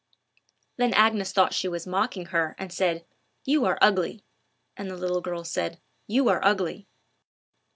Then Agnes thought she was mocking her, and said, "You are ugly;" and the little girl said, "You are ugly."